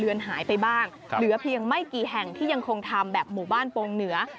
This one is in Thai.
เดือนหายไปบ้างเหลือเพียงไม่กี่แห่งที่ยังคงทำแบบหมู่บ้านโปรงเหนือ